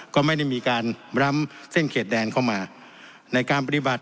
ก็ไม่ได้มีการรำเส้นเขตแดนเข้ามาในการปฏิบัติ